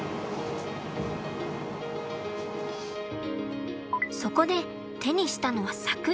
そこで手にしたのは柵。